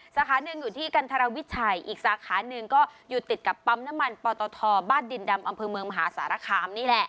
สาขาหนึ่งอยู่ที่กันธรวิชัยอีกสาขาหนึ่งก็อยู่ติดกับปั๊มน้ำมันปตทบ้านดินดำอำเภอเมืองมหาสารคามนี่แหละ